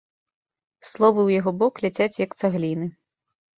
Словы ў яго бок ляцяць як цагліны.